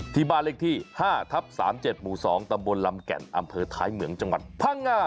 ที่บ้านเลขที่๕ทับ๓๗หมู่๒ตำบลลำแก่นอำเภอท้ายเหมืองจังหวัดพังงา